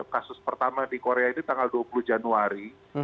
kasus pertama di korea ini tanggal dua puluh januari